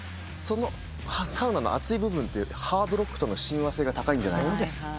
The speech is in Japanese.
そのサウナの熱い部分ってハードロックとの親和性が高いんじゃないかと。